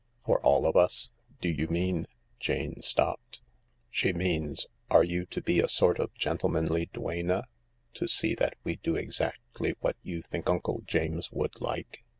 " For all of us ? Do you mean ...?" Jane stopped ;" She means, are you to be a sort of gentlemanly duenna, to see that we do exactly what you think Uncle James would like